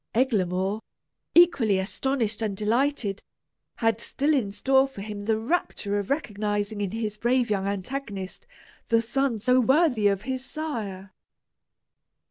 Eglamour, equally astonished and delighted, had still in store for him the rapture of recognizing in his brave young antagonist the son so worthy of his sire.